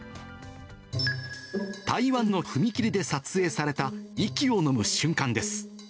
台湾の踏切で撮影された息を飲む瞬間です。